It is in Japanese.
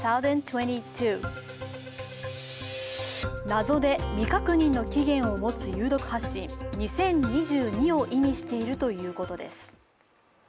「謎で未確認の起源をもつ有毒発疹２０２２」を意味しているということです。